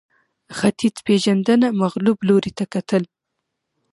ختیځپېژندنه مغلوب لوري ته کتل